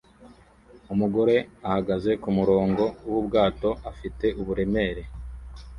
Umugore ahagaze kumurongo wubwato afite uburemere